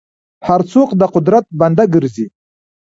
هر څوک د قدرت بنده ګرځي.